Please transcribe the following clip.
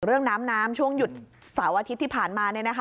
เรื่องน้ำน้ำช่วงหยุดเสาร์อาทิตย์ที่ผ่านมา